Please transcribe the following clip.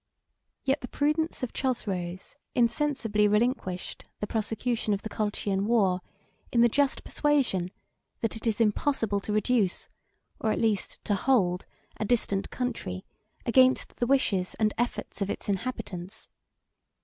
86 Yet the prudence of Chosroes insensibly relinquished the prosecution of the Colchian war, in the just persuasion, that it is impossible to reduce, or, at least, to hold a distant country against the wishes and efforts of its inhabitants.